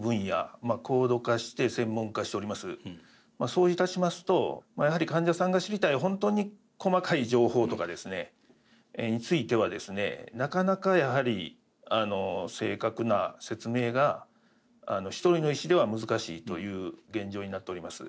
そういたしますとやはり患者さんが知りたい本当に細かい情報とかについてはですねなかなかやはり正確な説明が一人の医師では難しいという現状になっております。